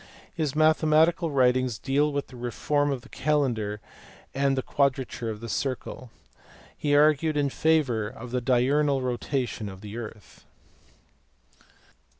His mathematical writings deal with the reform of the calendar and the quadrature of the circle. He argued in favour of the diurnal rotation of the earth.